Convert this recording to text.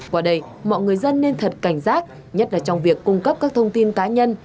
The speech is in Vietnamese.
qua đây mọi người dân nên thật cảnh giác nhất là trong việc cung cấp các thông tin cá nhân